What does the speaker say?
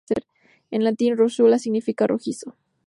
En latín, "russula" significa "rojizo".